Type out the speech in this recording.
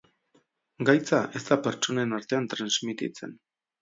Gaitza ez da pertsonen artean transmititzen.